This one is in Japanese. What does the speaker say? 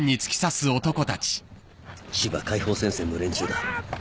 千葉解放戦線の連中だ。